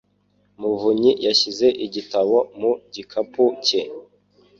muvunyi yashyize igitabo mu gikapu cye.